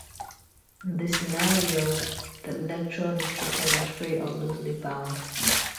In this scenario, the electron is treated as free or loosely bound.